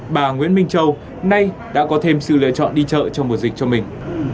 bà nguyễn minh châu nay đã có thêm sự lựa chọn đi chợ trong mùa dịch cho mình